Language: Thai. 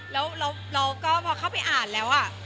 แล้วเราก็พอเข้าไปอ่านแล้ว